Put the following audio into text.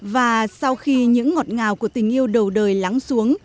và sau khi những ngọt ngào của tình yêu đầu đời lắng xuống